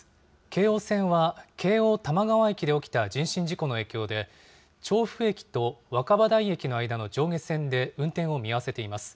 京王線は、京王多摩川駅で起きた人身事故の影響で、調布駅と若葉台駅の間の上下線で運転を見合わせています。